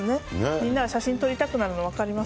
みんなが写真撮りたくなるの分かります。